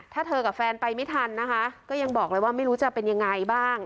ถ้าเธอกับแฟนไปไม่ทันนะคะก็ยังบอกเลยว่าไม่รู้จะเป็นยังไงบ้าง